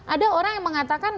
ada orang yang mengatakan